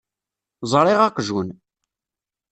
Ẓṛiɣ aqjun.